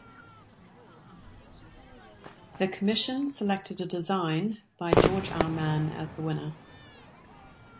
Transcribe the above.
The commission selected a design by George R. Mann as the winner.